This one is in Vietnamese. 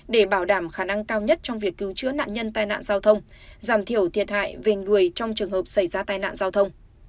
để bảo đảm khả năng cao nhất trong việc cứu chữa nạn nhân tai nạn giao thông giảm thiểu thiệt hại về người trong trường hợp xảy ra tai nạn giao thông